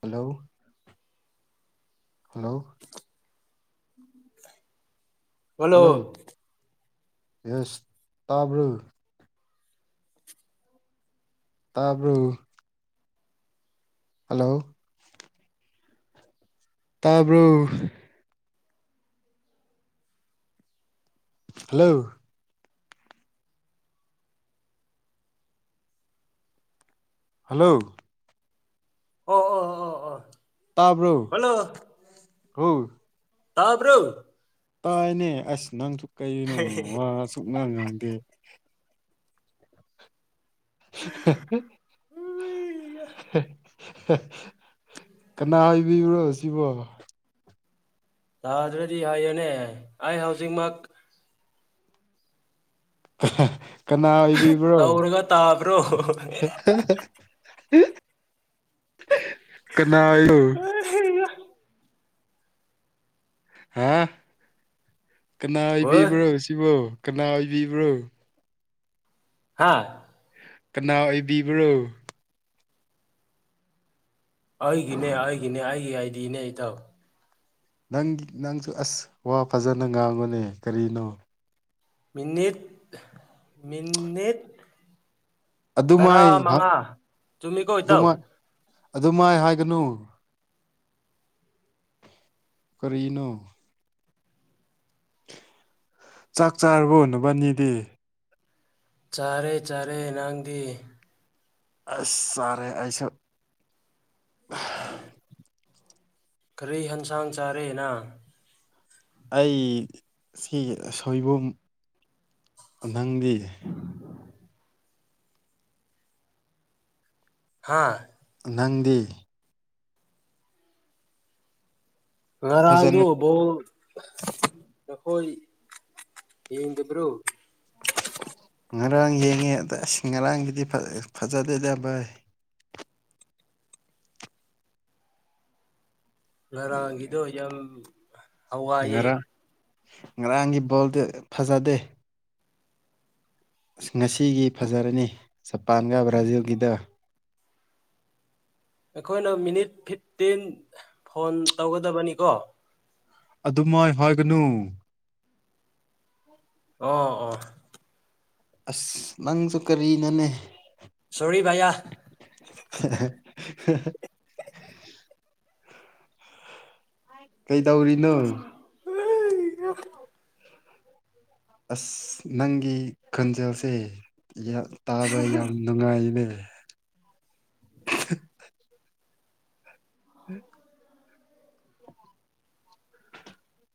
hello hello hello yes ꯇꯥꯕ꯭ꯔꯣ ꯇꯥꯕ꯭ꯔꯣ hello ꯇꯥꯕ꯭ꯔꯣ ꯍꯜꯂꯣ ꯍꯜꯂꯣ ꯑꯣ ꯑꯣ ꯑꯣ ꯑꯣ ꯇꯥꯕ꯭ꯔꯣ ꯍꯜꯂꯣ ꯍꯜꯂꯣ ꯇꯥꯕ꯭ꯔꯣ ꯇꯥꯏꯅꯦ ꯑꯁ ꯅꯪꯁꯨ ꯀꯩꯅꯣ ꯋꯥ ꯁꯨꯛ ꯉꯥꯡ ꯉꯥꯡꯗꯦ ꯍꯦ ꯍꯦ ꯀꯥꯅ ꯑꯣꯏꯕꯤꯕ꯭ꯔꯣ ꯁꯤꯕꯣ ꯇꯥꯗ꯭ꯔꯗꯤ ꯍꯥꯏꯌꯦꯅꯦ ꯑꯩ ꯍꯧꯖꯤꯛꯃꯛ ꯀꯥꯅ ꯑꯣꯏꯕꯤꯕ꯭ꯔꯣ ꯇꯧꯔꯒ ꯇꯥꯕ꯭ꯔꯣ ꯀꯥꯅ ꯑꯣꯏꯌꯣ ꯍꯥ ꯀꯅꯥ ꯍꯣꯏ ꯑꯣꯏꯕꯤꯕ꯭ꯔꯣ ꯁꯤꯕꯣ ꯀꯅꯥ ꯑꯣꯏꯕꯤꯕ꯭ꯔꯣ ꯍꯥꯥ ꯀꯥꯅ ꯑꯣꯏꯕꯤꯕ꯭ꯔꯣ ꯑꯩꯒꯤꯅꯦ ꯑꯩꯒꯤꯅꯦ ꯑꯩꯒꯤ ꯑꯥꯏꯗꯤ ꯅꯦ ꯏꯇꯥꯎ ꯅꯪꯒꯤ ꯅꯪꯁꯨ ꯑꯁ ꯋꯥ ꯐꯖꯅ ꯉꯥꯡꯉꯨꯅꯦ ꯀꯔꯤꯅꯣ ꯃꯤꯅꯤꯠ ꯃꯤꯅꯤꯠ ꯇꯔꯥ ꯑꯗꯨꯃꯥꯏ ꯃꯉꯥ ꯆꯨꯝꯃꯤꯀꯣ ꯏꯇꯥꯎ ꯑꯗꯨ ꯃꯥꯏ ꯍꯥꯏꯒꯅꯨ ꯀꯔꯤꯅꯣ ꯆꯥꯛ ꯆꯥꯥꯔꯕꯣ ꯅꯕꯅꯤꯗꯤ ꯆꯥꯔꯦ ꯆꯥꯔꯦ ꯅꯪꯗꯤ ꯑꯁ ꯆꯥꯔꯦ ꯑꯩꯁꯨ ꯀꯔꯤ ꯍꯤꯟꯁꯥꯡ ꯆꯥꯔꯦ ꯅ ꯑꯩ ꯁꯤ ꯁꯣꯏꯕꯨꯝ ꯅꯪꯗꯤ ꯍꯥꯥ ꯅꯪꯗꯤ ꯉꯔꯥꯡꯗꯣ ꯐꯖꯅ ꯕꯣꯜ ꯅꯈꯣꯏ ꯌꯦꯡꯗꯕ꯭ꯔꯣ ꯉꯔꯥꯡ ꯌꯦꯡꯉꯦ ꯑꯗ ꯑꯁ ꯉꯔꯥꯡꯒꯤꯗꯤ ꯐꯖꯗꯦꯗ ꯚꯥꯏ ꯉꯔꯥꯡꯒꯤꯗꯣ ꯌꯥꯝ ꯍꯋꯥꯌꯦ ꯉꯔꯥꯡ ꯉꯔꯥꯡꯒꯤ ꯕꯣꯜꯗꯣ ꯐꯖꯗꯦ ꯑꯁ ꯉꯁꯤꯒꯤ ꯐꯖꯔꯅꯤ ꯖꯄꯥꯟꯒ ꯕ꯭ꯔꯥꯖꯤꯜꯒꯤꯗ [inaudible] ꯑꯈꯣꯏꯅ ꯃꯤꯅꯤꯠ ꯐꯤꯐꯇꯤꯟ ꯐꯣꯟ ꯇꯧꯒꯗꯕꯅꯤꯀꯣ ꯑꯗꯨꯃꯥꯏ ꯍꯥꯏꯒꯅꯨ ꯑꯣ ꯑꯣ ꯑꯁ ꯅꯪꯁꯨ ꯀꯔꯤꯅꯣꯅꯦ ꯁꯣꯔꯤ ꯚꯌꯥ ꯍꯥꯍꯥ ꯀꯩꯗꯧꯔꯤꯅꯣ [unintelligible] ꯑꯁ ꯅꯪꯒꯤ ꯈꯣꯟꯖꯦꯜꯁꯦ ꯇꯥꯕ ꯌꯥꯝ ꯅꯨꯡꯉꯥꯏꯅꯦ [inaudible]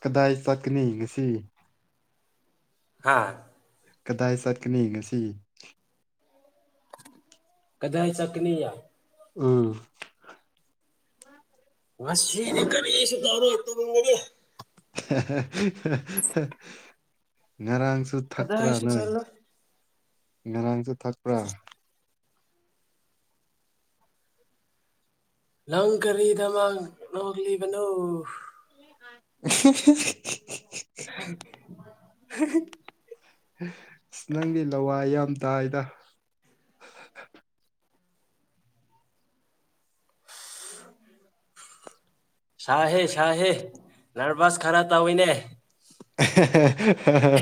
ꯀꯗꯥꯏ ꯆꯛꯀꯅꯤ ꯉꯁꯤ ꯍꯥ ꯀꯗꯥꯏ ꯆꯠꯀꯅꯤ ꯉꯁꯤ ꯀꯗꯥꯏ ꯆꯠꯀꯅꯤ ꯑꯨꯡ ꯉꯁꯤꯗꯤ ꯀꯔꯤꯁꯨ ꯇꯧꯔꯣꯏ ꯇꯨꯝꯒꯅꯤ ꯍꯦꯍꯦꯍꯦ ꯉꯔꯥꯡ ꯌꯨ ꯊꯛꯄ꯭ꯔꯥ ꯀꯗꯥꯏꯁꯨ ꯅꯣꯏ ꯆꯠꯂꯣꯏ ꯉꯔꯥꯡꯁꯨ ꯊꯛꯄ꯭ꯔꯥ ꯅꯪ ꯀꯔꯤꯗꯃꯛ ꯅꯣꯛꯂꯤꯕꯅꯣ [unintelligible] [unintelligible] ꯑꯁ ꯅꯪꯗꯤ ꯂꯋꯥꯏ ꯌꯥꯝ ꯇꯥꯏꯗ ꯁꯥꯏꯍꯦ ꯁꯥꯏꯍꯦ ꯅꯔꯚꯁ ꯈꯔ ꯇꯧꯋꯤꯅꯦ ꯑꯍꯦ ꯍꯦꯍꯦ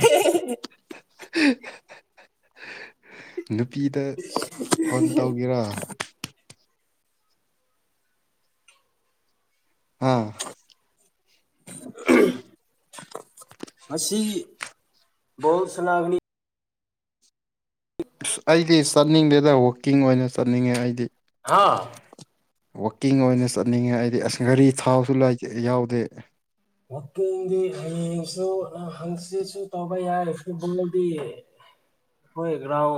ꯅꯨꯄꯤꯗ ꯐꯣꯟ ꯇꯧꯒꯦꯔ ꯍꯥ ꯉꯁꯤ ꯕꯣꯜ ꯁꯅꯥꯒꯅꯤ ꯑꯁ ꯑꯩꯗꯤ ꯆꯠꯅꯤꯡꯗꯦꯗ ꯋꯥꯛꯀꯤꯡ ꯑꯣꯏꯅ ꯆꯠꯅꯤꯡꯉꯦ ꯑꯩꯗꯤ ꯍꯥ ꯋꯀꯤꯡ ꯑꯣꯏꯅ ꯆꯠꯅꯤꯡꯉꯦ ꯍꯥꯏꯗꯤ ꯑꯁ ꯒꯥꯔꯤ ꯊꯥꯎꯁꯨ ꯂꯩꯇ ꯌꯥꯎꯗꯦ ꯋꯀꯤꯡꯗꯤ ꯍꯌꯦꯡꯁꯨ ꯍꯪꯁꯤꯠꯁꯨ ꯇꯧꯕ ꯌꯥꯏ ꯐꯨꯠ ꯕꯣꯜꯗꯤ ꯑꯈꯣꯏ ꯒ꯭ꯔꯥꯎ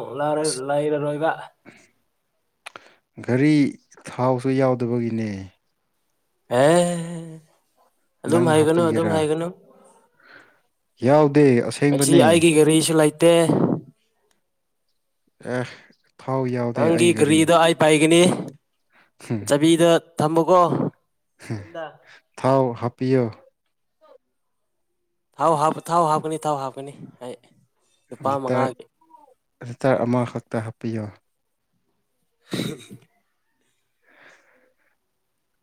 ꯂꯩꯔꯔꯣꯏꯕ ꯒꯔꯤ ꯊꯥꯎꯁꯨ ꯌꯥꯎꯗꯕꯒꯤꯅꯦ ꯍꯦ ꯑꯗꯨꯝ ꯅꯪ ꯍꯥꯏꯒꯅꯨ ꯑꯗꯨꯝ ꯍꯥꯏꯒꯅꯨ ꯌꯥꯎ ꯉꯁꯤ ꯑꯩꯒꯤ ꯒꯥꯔꯤꯁꯨ ꯂꯩꯇꯦ ꯑꯦ ꯊꯥꯎ ꯌꯥꯎꯗꯦ ꯅꯪꯒꯤ ꯑꯩ ꯒꯥꯔꯤ ꯒꯥꯔꯤꯗ ꯑꯩ ꯄꯥꯏꯒꯅꯤ ꯆꯥꯕꯤꯗ ꯊꯝꯃꯨꯀꯣ ꯌꯨꯝꯗ ꯊꯥꯎ ꯍꯥꯄꯤꯌꯣ ꯊꯥꯎ ꯊꯥꯎ ꯍꯥꯞꯀꯅꯤ ꯊꯥꯎ ꯍꯥꯞꯀꯅꯤ ꯑꯩ ꯅꯨꯄꯥ ꯃꯉꯥꯒꯤ ꯂꯤꯇꯥꯔ ꯑꯃꯈꯛꯇ ꯍꯥꯞꯄꯤꯌꯨ [unintelligible]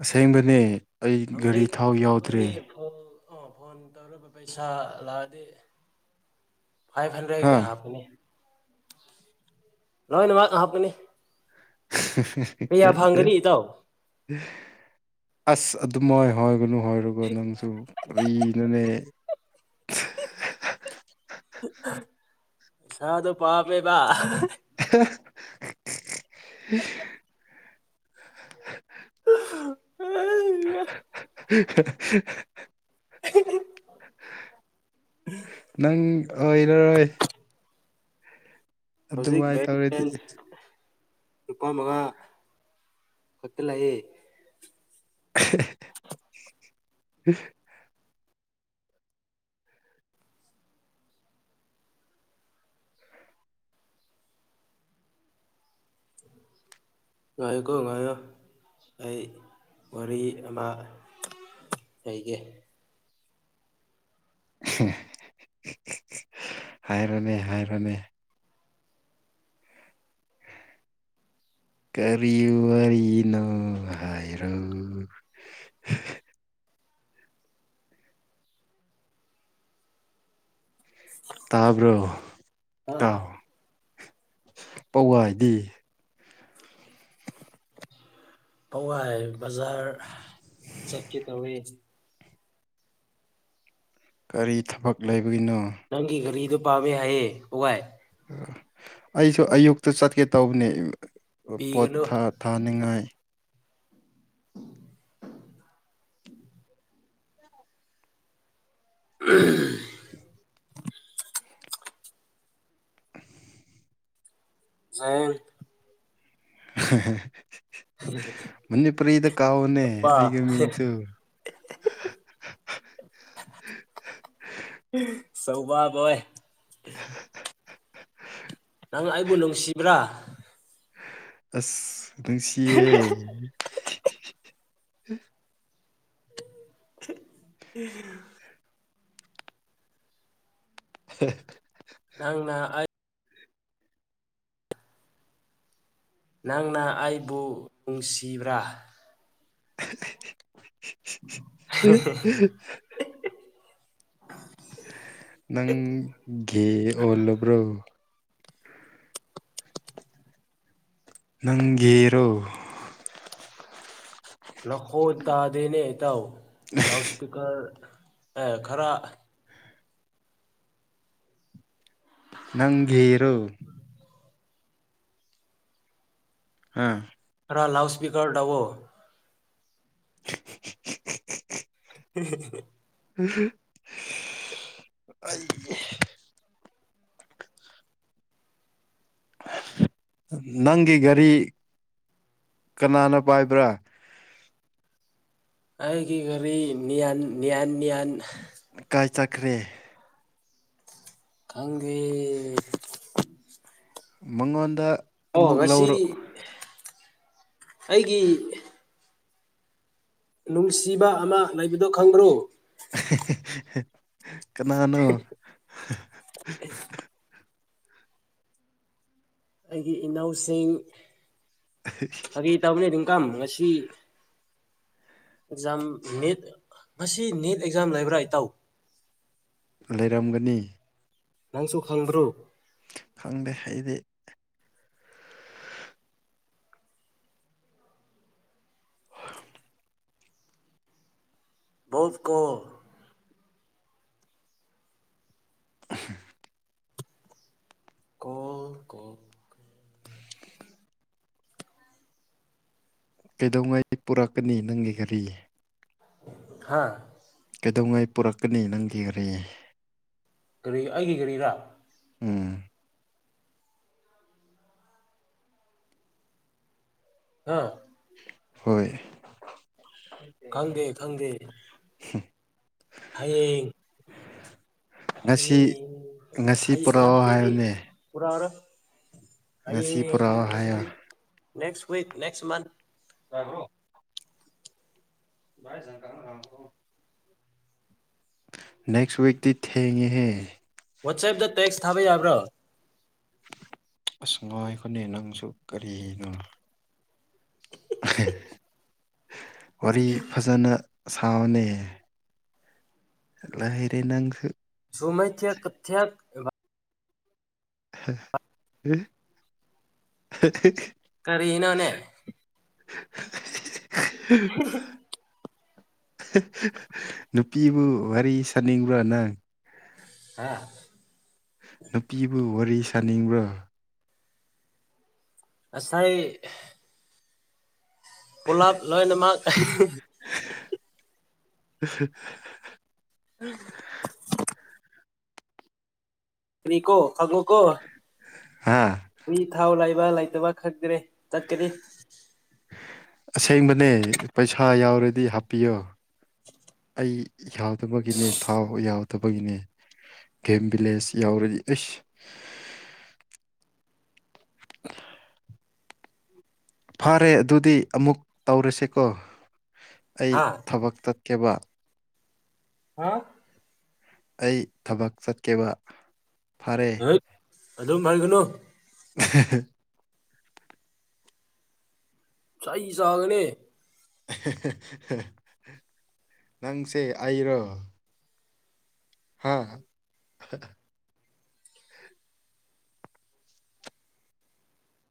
ꯑꯁꯦꯡꯕꯅꯦ ꯑꯩ ꯒꯥꯔꯤ ꯍꯧꯖꯤꯛ ꯊꯥꯎ ꯌꯥꯎꯗ꯭ꯔꯦ ꯅꯕꯥꯅꯤ ꯐꯣꯟ ꯑꯣ ꯐꯣꯟ ꯇꯧꯔꯕ ꯄꯩꯁꯥ ꯂꯥꯛꯑꯗꯤ ꯐꯥꯏꯚ ꯍꯟꯗ꯭ꯔꯦꯠꯀꯤ ꯍꯥ ꯍꯥꯞꯀꯅꯤ ꯂꯣꯏꯅꯃꯛ ꯍꯥꯄꯀꯅꯤ ꯑꯁ ꯑꯗꯨꯝꯥꯏ ꯍꯥꯏꯒꯅꯨ ꯍꯥꯏꯔꯒ ꯅꯪꯁꯨ ꯀꯔꯤꯅꯣꯅꯦ [unintelligible] ꯄꯩꯁꯥꯗꯣ ꯄꯥꯝꯃꯦꯕ [unintelligible] [unintelligible] [unintelligible] [unintelligible] ꯅꯪ ꯑꯣꯏꯔꯔꯣꯏ ꯍꯧꯖꯤꯛ ꯑꯗꯨꯃꯥꯏ ꯇꯧꯔꯗꯤ ꯕꯦꯛꯂꯦꯟ ꯅꯨꯄꯥ ꯃꯉꯥ ꯈꯨꯠꯇ ꯂꯩꯑꯦ [unintelligible] ꯍ ꯉꯥꯏꯌꯨꯀꯣ ꯉꯥꯏꯌꯣ ꯑꯩ ꯋꯥꯔꯤ ꯑꯃ ꯑꯩꯒꯦ ꯍꯥꯏꯔꯣꯅꯦ ꯍꯥꯏꯔꯣꯅꯦ [unintelligible] ꯀꯔꯤꯋꯥꯔꯤꯅꯣ ꯍꯥꯏꯔꯣ [inaudible] ꯇꯥꯕ꯭ꯔꯣ ꯑ ꯙꯇꯥꯎ ꯄꯋꯥꯏꯅꯤ ꯄꯧ ꯍꯥꯏ ꯕꯖꯥꯔ ꯆꯠꯀꯦ ꯇꯧꯋꯤ ꯀꯔꯤ ꯊꯕꯛ ꯂꯩꯕ ꯅꯪꯒꯤ ꯒꯔꯤꯗꯨ ꯄꯥꯃꯦ ꯍꯥꯏꯌꯦ ꯄꯋꯥꯏ ꯑꯩꯁꯨ ꯑꯌꯨꯛꯇ ꯆꯠꯀꯦ ꯇꯧꯕꯅꯦ ꯄꯣꯠ ꯄꯤꯒꯅꯨ ꯊꯥꯅꯤꯡꯉꯥꯏ ꯎꯝ [unintelligible] ꯍꯦꯍꯦꯍꯦ ꯎꯝ ꯃꯅꯤꯄꯨꯔꯤꯗ ꯀꯥꯎꯑꯣꯅꯦ ꯑꯩꯒꯤ ꯃꯤꯡꯁꯨ ꯁꯧꯕꯕꯣꯏ ꯅꯪ ꯑꯩꯕꯨ ꯅꯨꯡꯁꯤꯕ꯭ꯔꯥ ꯑꯁ ꯅꯨꯡꯁꯤꯌꯦ [unintelligible] ꯍ ꯅꯪꯅ ꯑꯩ ꯅꯪꯅ ꯑꯩꯕꯨ ꯅꯨꯡꯁꯤꯕ꯭ꯔꯥ [unintelligible] ꯅꯪ ꯒꯦ ꯑꯣꯜꯂꯕ꯭ꯔꯣ ꯅꯪ ꯒꯦꯔꯣ ꯅꯈꯣꯜ ꯇꯗꯦꯅꯦ ꯏꯇꯥꯎ ꯂꯥꯎꯠ ꯏꯁꯄꯤꯀꯔ ꯑꯦ ꯈꯔ ꯅꯪ ꯒꯦꯔꯣ ꯑꯥ ꯅꯪ ꯂꯥꯎꯠꯁꯄꯤꯀꯔ ꯇꯧꯑꯣ [unintelligible] ꯑꯩ ꯅꯪꯒꯤꯒꯔꯤ ꯀꯅꯥꯅ ꯄꯥꯏꯕ꯭ꯔꯥ ꯑꯩꯒꯤ ꯒꯔꯤ ꯅꯤꯌꯥꯟ ꯅꯤꯌꯥꯟ ꯅꯤꯌꯥꯟ ꯀꯥꯏ ꯆꯠꯈ꯭ꯔꯦ ꯈꯪꯗꯦ ꯃꯉꯣꯟꯗ ꯑꯣ ꯑꯃꯨꯛ ꯉꯁꯤ ꯂꯧꯔꯣ ꯑꯩꯒꯤ ꯅꯨꯡꯁꯤꯕ ꯑꯃ ꯂꯩꯕꯗꯣ ꯈꯪꯕ꯭ꯔꯣ ꯀꯅꯥꯅꯣ ꯑꯩꯒꯤ ꯏꯅꯥꯎꯁꯤꯡ ꯐꯒꯤ ꯇꯧꯕꯅꯤ ꯔꯤꯡꯀꯝ ꯁꯤ ꯑꯦꯛꯖꯥꯝ ꯅꯦꯠ ꯉꯁꯤ ꯅꯦꯠ ꯑꯦꯛꯖꯥꯝ ꯂꯩꯕ꯭ꯔꯥ ꯏꯇꯥꯎ ꯂꯩꯔꯝꯒꯅꯤ ꯅꯪꯁꯨ ꯈꯪꯕ꯭ꯔꯣ ꯈꯪꯗꯦ ꯑꯩꯗꯤ [unintelligible] ꯑꯍꯝ ꯀꯣꯜ ꯀꯣ ꯀꯩꯗꯧꯉꯩ ꯄꯨꯔꯛꯀꯅꯤ ꯅꯪꯒꯤ ꯒꯥꯔꯤ ꯍꯥꯥ ꯀꯩꯗꯧꯉꯥꯏ ꯄꯨꯔꯛꯀꯅꯤ ꯅꯪꯗꯤ ꯒꯔꯤ ꯀꯔꯤ ꯑꯩꯒꯤ ꯒꯥꯔꯤꯔ ꯎꯝ ꯑꯥ ꯍꯣꯏ ꯈꯪꯗꯦ ꯈꯪꯗꯦ ꯍꯌꯦꯡ ꯉꯁꯤ ꯍꯌꯦꯡ ꯉꯁꯤ ꯍꯌꯦꯡ ꯄꯨꯔꯛꯑꯣ ꯉꯁꯤꯗꯤ ꯍꯥꯏꯌꯨꯅꯦ ꯄꯨꯔꯛꯑꯔꯣꯢ ꯑꯩ ꯉꯁꯤ ꯄꯨꯔꯛꯑꯣ ꯍꯥꯏꯌꯣ ꯅꯦꯛꯁꯋꯤꯛ ꯅꯦꯛꯁ ꯃꯟꯊ ꯇꯥꯕ꯭ꯔꯣ [unintelligible] ꯅꯦꯛꯁ ꯋꯤꯛꯗꯤ ꯊꯦꯡꯉꯦꯍꯦ ꯋꯥꯆꯦꯞꯇ ꯇꯦꯛꯁ ꯊꯥꯕ ꯌꯥꯕ꯭ꯔꯣ ꯑꯁ ꯉꯥꯏꯈꯣꯅꯦ ꯅꯪꯁꯨ ꯀꯔꯤꯅꯣ ꯋꯥꯔꯤ ꯐꯖꯅ ꯁꯥꯕꯅꯤ ꯂꯩꯔꯦ ꯅꯪꯁꯨ ꯁꯨꯃꯩ ꯊꯦꯛ ꯊꯦꯛ ꯍꯦ ꯍꯦ ꯍꯧ ꯀꯔꯤꯅꯣꯅꯦ [unintelligible] ꯅꯨꯄꯤꯕꯨ ꯋꯥꯔꯤ ꯁꯥꯅꯤꯡꯕ꯭ꯔꯥ ꯅꯪ ꯍꯥ ꯅꯨꯄꯤꯕꯨ ꯋꯥꯔꯤ ꯁꯥꯅꯤꯡꯕ꯭ꯔꯣ ꯑꯁꯥꯏ ꯑꯦ ꯄꯣꯂꯥꯞ ꯂꯣꯏꯅꯃꯥꯛ ꯑꯍꯦꯍꯦ ꯢ ꯍꯥ ꯍꯥꯍꯥꯍꯥ [unintelligible] ꯀꯅꯤꯀꯣ ꯈꯪꯉꯣꯀꯣ ꯍꯥ ꯃꯤ ꯊꯥꯎ ꯂꯩꯕ ꯂꯩꯇꯕ ꯈꯪꯇ꯭ꯔꯦ ꯆꯠꯀꯅꯤ ꯑꯁꯦꯡꯕꯅꯦ ꯄꯩꯁꯥ ꯌꯥꯎꯔꯗꯤ ꯍꯥꯞꯄꯤꯌꯣ ꯑꯩ ꯌꯥꯎꯗꯕꯒꯤꯅꯦ ꯊꯥꯎ ꯌꯥꯎꯗꯕꯒꯤꯅꯦ ꯒꯦꯝ ꯕꯤ꯭ꯂꯦꯁ ꯌꯧꯔꯗꯤ ꯑꯩꯁ [inaudible] ꯐꯔꯦ ꯑꯗꯨꯗꯤ ꯑꯃꯨꯛ ꯇꯧꯔꯁꯦꯀꯣ ꯑꯩ ꯍꯥ ꯊꯕꯛꯇ ꯀꯦꯕ ꯍꯥ ꯑꯩ ꯊꯕꯛ ꯆꯠꯀꯦꯕ ꯐꯔꯦ ꯍꯦꯠ ꯑꯗꯨꯝ ꯍꯥꯏꯒꯅꯨ ꯑ ꯍꯦꯍꯦ ꯆꯩ ꯆꯥꯒꯅꯤ ꯑ ꯍꯦꯍꯦ ꯍꯦ ꯅꯪꯁꯦ ꯑꯩꯔꯣ ꯍꯥꯥ ꯑꯍꯥꯍꯥ